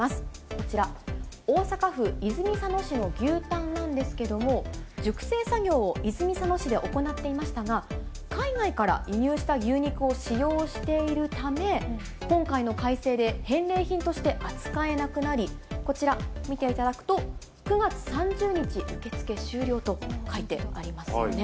こちら、大阪府泉佐野市の牛たんなんですけども、熟成作業を泉佐野市で行っていましたが、海外から輸入した牛肉を使用しているため、今回の改正で返礼品として扱えなくなり、こちら、見ていただくと、９月３０日受付終了と書いてありますよね。